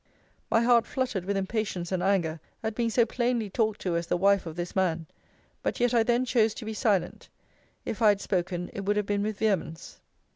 My heart fluttered with impatience and anger at being so plainly talked to as the wife of this man; but yet I then chose to be silent. If I had spoken, it would have been with vehemence.